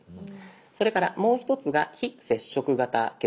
それからもう一つが「非接触型決済」。